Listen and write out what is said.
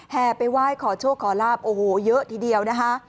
ไปไหว้ขอโชคขอลาบโอ้โหเยอะทีเดียวนะคะ